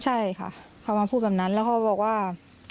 ใช่ค่ะเขามาพูดแบบนั้นแล้วเขาบอกว่า